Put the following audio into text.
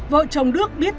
vợ chồng đức biết